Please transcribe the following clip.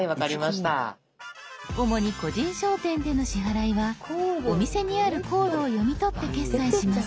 主に個人商店での支払いはお店にあるコードを読み取って決済します。